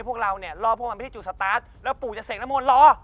พวกเราเนี่ยรอพวกมันไปที่จุดสตาร์ทแล้วปู่จะเสกน้ำมนต์รอ